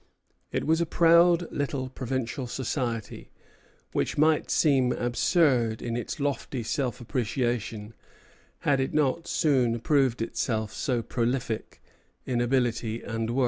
It was a proud little provincial society, which might seem absurd in its lofty self appreciation, had it not soon approved itself so prolific in ability and worth.